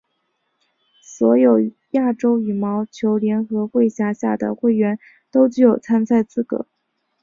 所有亚洲羽毛球联合会辖下的会员都具有参赛资格。